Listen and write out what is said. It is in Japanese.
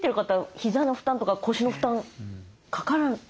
ひざの負担とか腰の負担かかるんじゃないですか？